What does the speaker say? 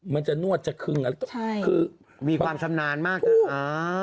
มันจะนวดจะคึงใช่มีความสำนานมากอ่ะอ่า